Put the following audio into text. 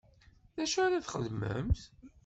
D acu ara txedmemt?